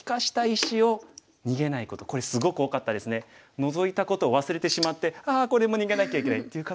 ノゾいたことを忘れてしまって「ああこれも逃げなきゃいけない」っていう方